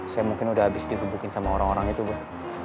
saya mungkin udah habis digebukin sama orang orang itu bu